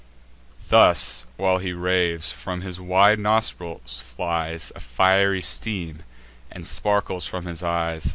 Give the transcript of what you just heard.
Thus while he raves, from his wide nostrils flies A fiery steam, and sparkles from his eyes.